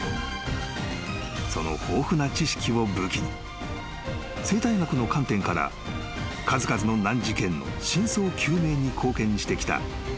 ［その豊富な知識を武器に生態学の観点から数々の難事件の真相究明に貢献してきたイギリス］